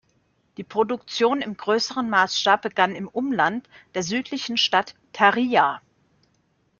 Die Produktion im größeren Maßstab begann im Umland der südlichen Stadt Tarija.